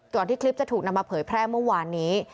ที่คลิปจะถูกนำมาเผยแพร่เมื่อวานนี้